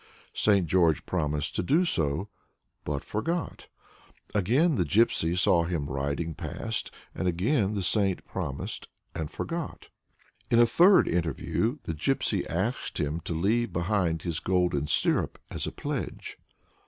St. George promised to do so, but forgot. Again the Gypsy saw him riding past, and again the saint promised and forgot. In a third interview the Gypsy asked him to leave behind his golden stirrup as a pledge.